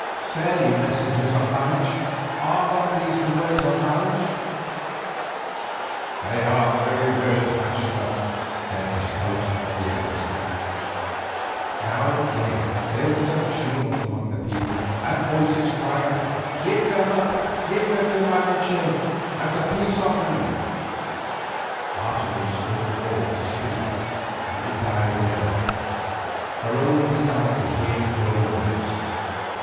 "Say, messengers of Malinche, are not these the words of Malinche?" "They are his very words, Maxtla," said the spokesman of the embassy. Now again there was a tumult among the people, and voices cried, "Give them up, give them to Malinche as a peace offering." Otomie stood forward to speak and it died away, for all desired to hear her words.